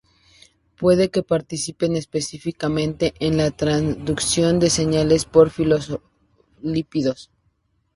Puede que participe específicamente en la transducción de señales por fosfolípidos.